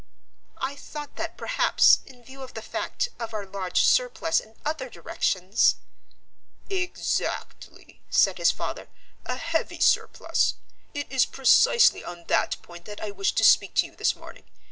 "I thought that perhaps, in view of the fact of our large surplus in other directions " "Exactly," said his father, "a heavy surplus. It is precisely on that point that I wished to speak to you this morning.